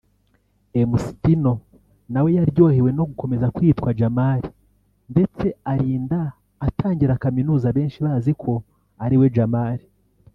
Mc Tino nawe yaryohewe no gukomeza kwitwa Jamal ndetse arinda atangira Kaminuza benshi baziko ari we Jamal